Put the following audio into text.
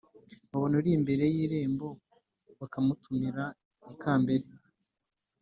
babona uri imbere y’irembo bakamutumira ikambere